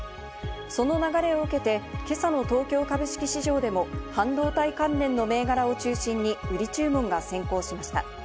その流れを受けて、今朝の東京株式市場でも半導体関連の銘柄を中心に売り注文が先行しました。